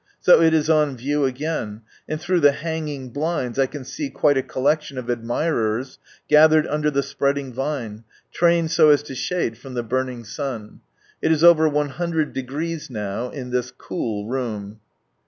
So it is on view again, and through the hanging blinds I can see quite a collection of admirers gathered under the spreading vine, trained so as to shade from the burning sun. It is over ioo° now, in this " cool " room.